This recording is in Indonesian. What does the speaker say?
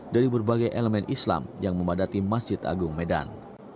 dari berbagai elemen islam yang memadati masjid agung medan